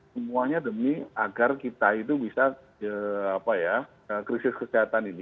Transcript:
semuanya demi agar kita itu bisa krisis kesehatan ini